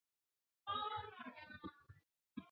乾隆年间以内阁学士致仕。